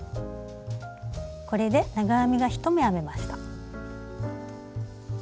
これで長編みが１目編めました。